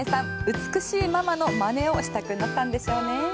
美しいママの真似をしたくなったんでしょうね。